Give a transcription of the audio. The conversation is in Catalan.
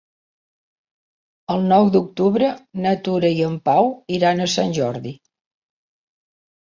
El nou d'octubre na Tura i en Pau iran a Sant Jordi.